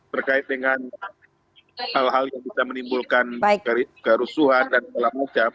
terkait dengan hal hal yang bisa menimbulkan kerusuhan dan segala macam